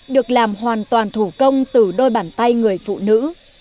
được làm hoàn toàn thủ công từ đôi bàn tay người phụ nữ